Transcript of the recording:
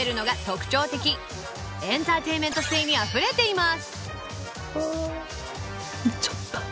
エンターテインメント性にあふれています